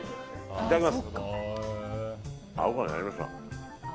いただきます。